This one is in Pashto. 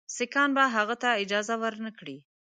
سیکهان به هغه ته اجازه ورنه کړي.